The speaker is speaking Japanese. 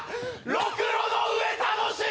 ろくろの上楽しい！